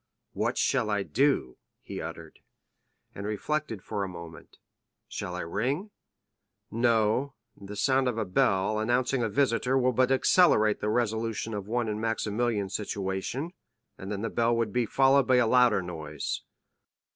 "What shall I do!" he uttered, and reflected for a moment; "shall I ring? No, the sound of a bell, announcing a visitor, will but accelerate the resolution of one in Maximilian's situation, and then the bell would be followed by a louder noise."